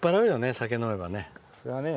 酒、飲めばね。